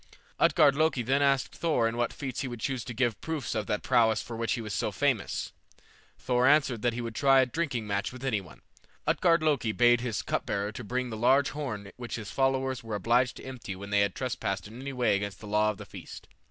Utgard Loki then asked Thor in what feats he would choose to give proofs of that prowess for which he was so famous. Thor answered that he would try a drinking match with any one. Utgard Loki bade his cup bearer bring the large horn which his followers were obliged to empty when they had trespassed in any way against the law of the feast.